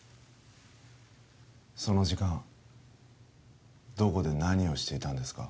その時間どこで何をしていたんですか？